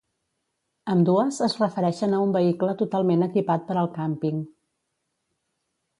Ambdues es refereixen a un vehicle totalment equipat per al camping.